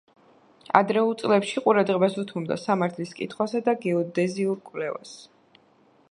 ადრეულ წლებში ყურადღებას უთმობდა სამართლის კითხვასა და გეოდეზიურ კვლევას.